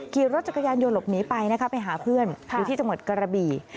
กินรถจักรยานโยลบนี้ไปนะครับไปหาเพื่อนอยู่ที่จังหวัดกรบี